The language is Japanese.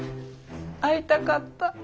会いたかった。